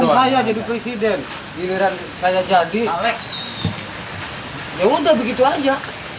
saya jadi presiden giliran saya jadi lek ya udah begitu aja